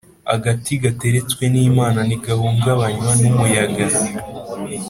Agati gateretswe n’Imana ntigahungabanywa n’umuyaga.